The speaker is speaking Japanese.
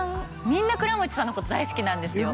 みんな倉持さんのこと大好きなんですよ